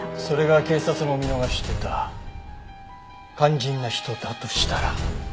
それが警察も見逃していた「肝心な人」だとしたら。